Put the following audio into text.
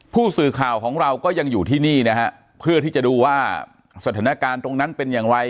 ผู้สื่อข่าวของเราก็ยังอยู่ที่นี่นะฮะเพื่อที่จะดูว่าสถานการณ์ตรงนั้นเป็นอย่างไร